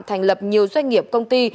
thành lập nhiều doanh nghiệp công ty